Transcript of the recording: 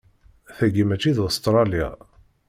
Tagi mačči d Ustṛalya.